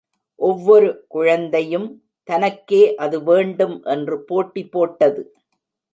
ஒவ்வொரு குழந்தையும் தனக்கே அது வேண்டும் என்று போட்டி போட்டது.